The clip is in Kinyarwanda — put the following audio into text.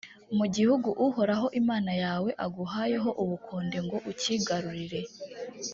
mu gihugu uhoraho imana yawe aguhayeho ubukonde ngo ucyigarurire,